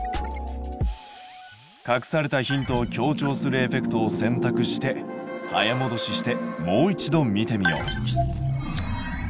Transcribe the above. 隠されたヒントを強調するエフェクトを選択して早もどししてもう一度見てみよう。